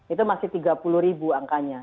itu masih tiga puluh ribu angkanya